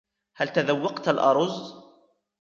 هل تذوقتَ الأرز ؟